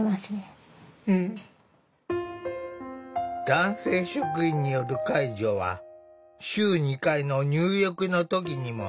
男性職員による介助は週２回の入浴の時にも。